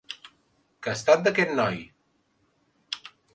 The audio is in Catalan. Què ha estat d'aquest noi?